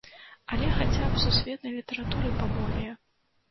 Але хаця б сусветнай літаратуры паболее.